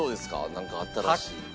なんか新しい。